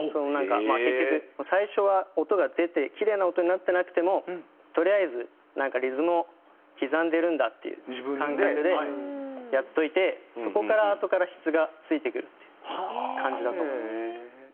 なんかまあ結局最初は音が出てキレイな音になってなくてもとりあえずなんかリズムを刻んでるんだっていう感覚でやっといてそこからあとから質がついてくるっていう感じだと思います。